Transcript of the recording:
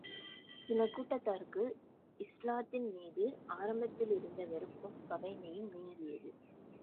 சில கூட்டத்தாருக்கு, இஸ்லாத்தின் மீது ஆரம்பத்திலிருந்த வெறுப்பும், பகைமையும் நீங்கியது.